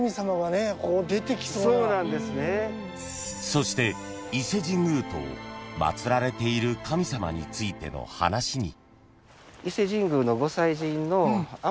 ［そして伊勢神宮と祭られている神様についての話に］